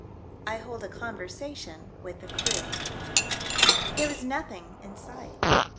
I HOLD A CONVERSATION WITH THE CREW. There was nothing in sight.